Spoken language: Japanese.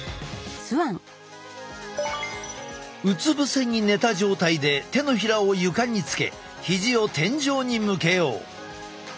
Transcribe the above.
うつ伏せに寝た状態で手のひらを床につけ肘を天井に向けよう。